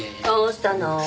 どうしたの？